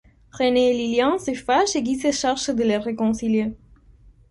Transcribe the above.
René et Lilian se fâchent et Guy se charge de les réconcilier.